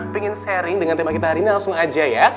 pengen sharing dengan tema kita hari ini langsung aja ya